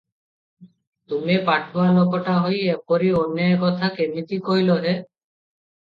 ତୁମେ ପାଠୁଆ ଲୋକଟା ହୋଇ ଏପରି ଅନ୍ୟାୟ କଥା କିମିତି କହିଲ ହେ?